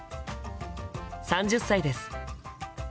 ３０歳です。